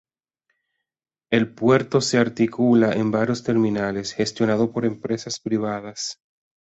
El puerto se articula en varios terminales, gestionados por empresas privadas.